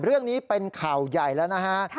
เรื่องนี้เป็นข่าวใหญ่แล้วนะฮะ